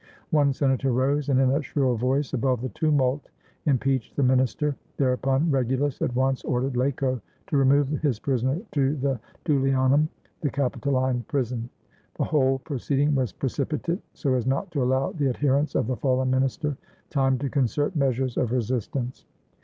One senator rose, and in a shrill voice above the tumult, impeached the minister; thereupon Regulus at once ordered Laco to remove his prisoner to the Tullianum, the CapitoHne prison. The whole pro ceeding was precipitate, so as not to allow the adherents of the fallen minister time to concert measures of resist ance.